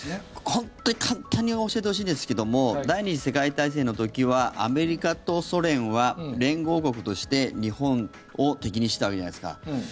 本当に簡単に教えてほしいんですけど第２次世界大戦の時はアメリカとソ連は連合国として日本を敵にしていたわけじゃないですか。